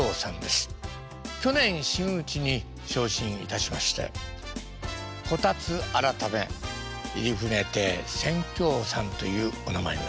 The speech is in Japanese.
去年真打ちに昇進いたしまして小辰改め入船亭扇橋さんというお名前になりました。